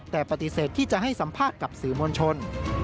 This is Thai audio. แต่ปฏิเสธที่จะให้สัมภาษณ์กับสื่อมวลชน